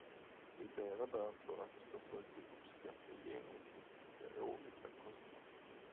Vi ber er därför att försöka uppskatta genomsnittliga årliga kostnader.